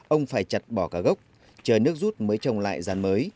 ông phải chặt bỏ cả gốc chờ nước rút mới trồng lại ràn mới